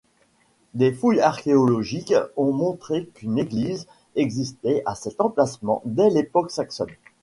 Des fouilles archéologiques ont montré qu'une église existait à cet emplacement dès l'époque saxonne.